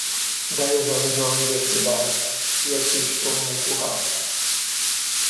Dez anos na universidade? e aqui estou num curral.